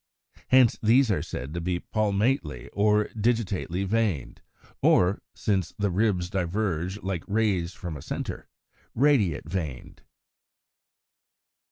Hence these are said to be Palmately or Digitately veined, or (since the ribs diverge like rays from a centre) Radiate veined.